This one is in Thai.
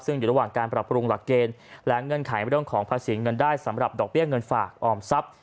ซึ่งอยู่ระหว่างการปรับปรุงหลักเกณฑ์และเงื่อนไขเรื่องของภาษีเงินได้สำหรับดอกเบี้ยเงินฝากออมทรัพย์